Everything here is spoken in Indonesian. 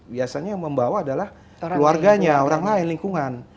biasanya yang membawa adalah keluarganya orang lain lingkungan